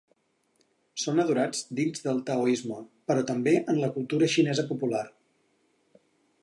Són adorats dins del taoisme, però també en la cultura xinesa popular.